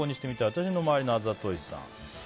私の周りのあざといさん。